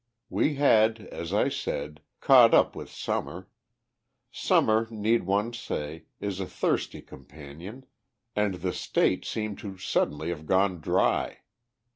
We had, as I said, caught up with Summer. Summer, need one say, is a thirsty companion, and the State seemed suddenly to have gone dry.